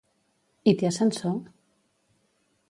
I té ascensor?